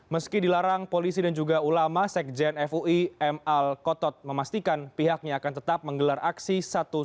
meski dilarang polisi dan juga ulama sekjen fui m al kotot memastikan pihaknya akan tetap menggelar aksi satu ratus dua belas